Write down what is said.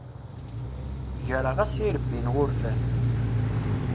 Greɣ-as irebbi n wurfan.